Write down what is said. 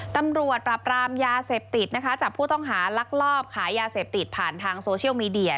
ตำรวจปราบรามยาเสพติดนะคะจับผู้ต้องหาลักลอบขายยาเสพติดผ่านทางโซเชียลมีเดีย